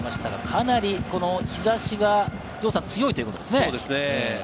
かなり日差しが強いということですね。